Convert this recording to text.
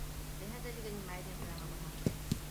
承元是日本的年号之一。